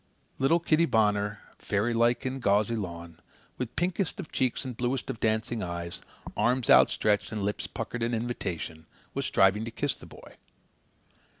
Little Kitty Bonner, fairylike in gauzy lawn, with pinkest of cheeks and bluest of dancing eyes, arms outstretched and lips puckered in invitation, was striving to kiss the boy.